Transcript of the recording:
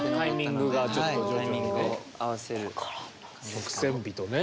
曲線美とね。